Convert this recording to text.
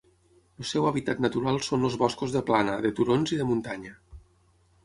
El seu hàbitat natural són els boscos de plana, de turons i de muntanya.